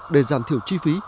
để giảm thiểu chi phí